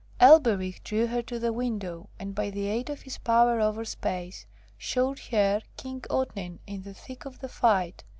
Elberich drew her to the window, and by the aid of his power over space, showed her King Otnit in the thick of the fight.